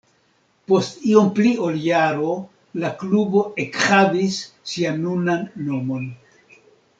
Post iom pli ol jaro la klubo ekhavis sian nunan nomon.